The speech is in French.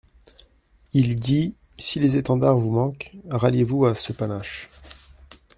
Il dit : «Si les étendards vous manquent, ralliez-vous à ce panache.